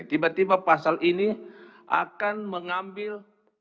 tiba tiba pasal ini akan mengambil